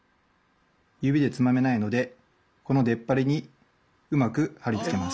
指でつまめないのでこのでっぱりにうまくはりつけます。